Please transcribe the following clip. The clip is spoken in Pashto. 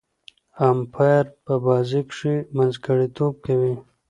امپایر په بازي کښي منځګړیتوب کوي.